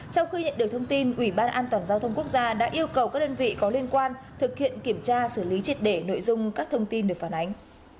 sau khi nhận được thông tin ủy ban an toàn giao thông quốc gia đã yêu cầu các đơn vị có liên quan thực hiện kiểm tra xử lý triệt để nội dung các thông tin được phản ánh